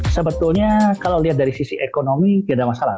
sebetulnya kalau lihat dari sisi ekonomi tidak ada masalah